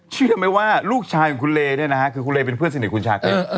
เชื่อไหมว่าลูกชายของคุณเลเนี่ยนะฮะคือคุณเลเป็นเพื่อนสนิทคุณชาคริส